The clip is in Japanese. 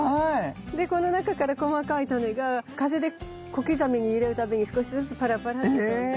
でこの中から細かいタネが風で小刻みに揺れるたびに少しずつパラパラっと飛んで。